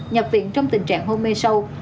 nhập viện trong tình trạng hôn mê sâu